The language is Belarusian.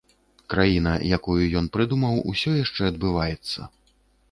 Краіна, якую ён прыдумаў, усё яшчэ адбываецца.